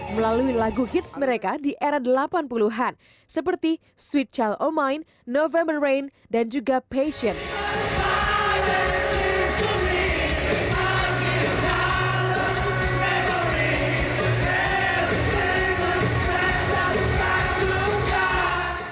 melalui lagu hits mereka di era delapan puluh an seperti sweet child o' mine november rain dan juga patience